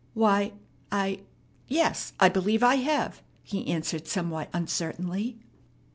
"Why, I yes, I believe I have," he answered somewhat uncertainly.